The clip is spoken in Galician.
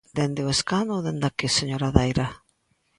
¿Dende o escano ou dende aquí, señora Daira?